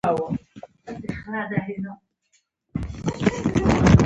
د نادعلي کلی موقعیت